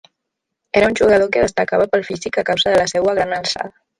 Era un jugador que destacava pel físic a causa de la seua gran alçada.